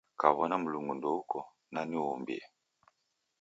Kaw'ona Mlungu ndouko, nani uumbie?